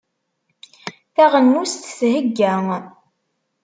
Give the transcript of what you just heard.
Taɣenust thegga.